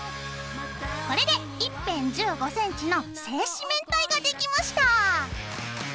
これで一辺１５センチの正四面体ができました。